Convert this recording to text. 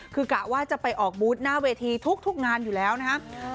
คือกะว่าจะไปออกบูธหน้าเวทีทุกงานอยู่แล้วนะครับ